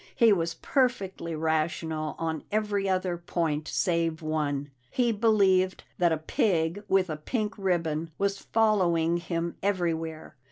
He was perfectly rational on every point save one he believed that a pig with a pink ribbon was following him everywhere!